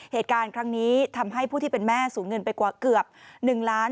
เหตุการณ์ครั้งนี้ทำให้ผู้ที่เป็นแม่สูญเงินไปกว่าเกือบ๑ล้าน